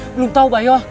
belum tahu bayo